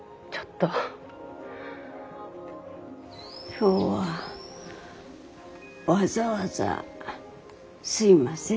今日はわざわざすみませんね。